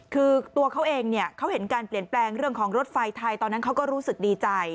คือตัวเขาเองเนี่ยเขาเห็นการเปลี่ยนแปลงเรื่องของรถไฟไทยตอนนั้นเขาก็รู้สึกดีใจ